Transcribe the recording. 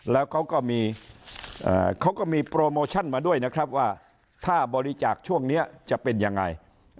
แล้วเขาก็มีเขาก็มีโปรโมชั่นมาด้วยนะครับว่าถ้าบริจาคช่วงนี้จะเป็นยังไง